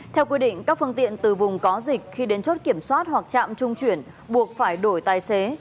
theo quy định các phương tiện từ vùng có dịch khi đến chốt kiểm soát hoặc trạm trung chuyển buộc phải đổi tài xế